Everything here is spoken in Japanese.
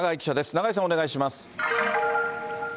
永井さん、お願いします。